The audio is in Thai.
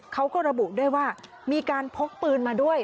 เขาก็ระบุด้วยว่ามีการพกปืนมาด้วย